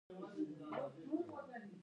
د چغندر ګل د وینې لپاره وکاروئ